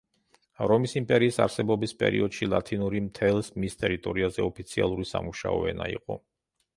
რომის იმპერიის არსებობის პერიოდში ლათინური მთელს მის ტერიტორიაზე ოფიციალური სამუშაო ენა იყო.